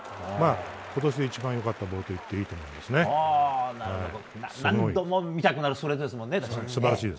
今年で一番良かったボールと言って何度も見たくなるストレートですもんね。